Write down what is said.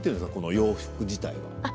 洋服自体は。